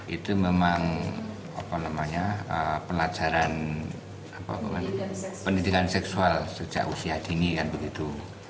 itu memang pelajaran pendidikan seksual sejak usia dini kan begitu